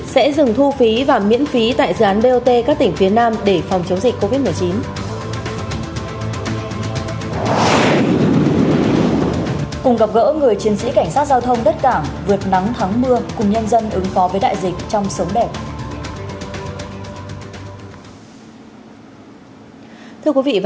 sẽ dừng thu phí và miễn phí tại dự án bot các tỉnh phía nam để phòng chống dịch covid một mươi chín